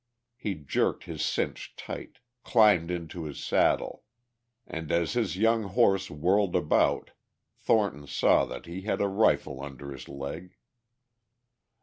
He jerked his cinch tight, climbed into his saddle and as his young horse whirled about Thornton saw that he had a rifle under his leg.